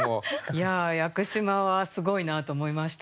いや「屋久島」はすごいなと思いましたよ。